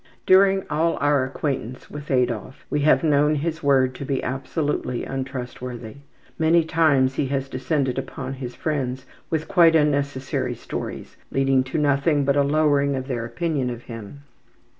During all our acquaintance with Adolf we have known his word to be absolutely untrustworthy. Many times he has descended upon his friends with quite unnecessary stories, leading to nothing but a lowering of their opinion of him.